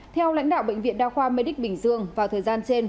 theo lãnh đạo bệnh viện đa khoa medic bình dương vào thời gian trên